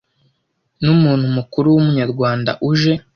n umuntu mukuru w Umunyarwanda uje,